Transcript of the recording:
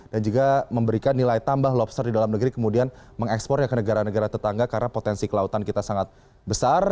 dan juga memberikan nilai tambah lobster di dalam negeri kemudian mengekspornya ke negara negara tetangga karena potensi kelautan kita sangat besar